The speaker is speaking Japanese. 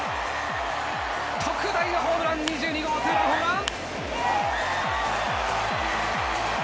特大のホームラン２２号ツーランホームラン！